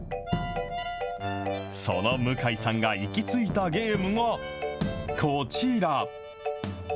その向井さんが行き着いたゲームが、こちら。